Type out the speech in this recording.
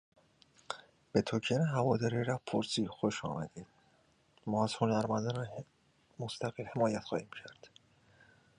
Thyrion is a world that was enslaved by the Serpent Riders.